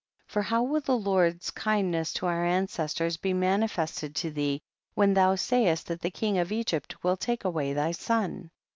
21. For how will the Lord's kind ness to our ancestors be manifested to thee when thou sayest that the king of Egypt will take away thy son